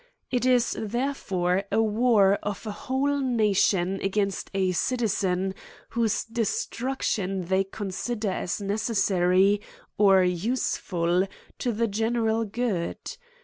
It is therefore a war of a whole nation against a citizen, whose destruction they consider as necessary or useful to the general good.